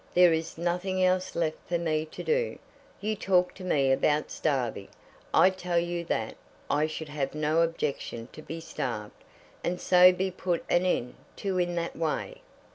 There is nothing else left for me to do. You talk to me about starving. I tell you that I should have no objection to be starved, and so be put an end to in that way.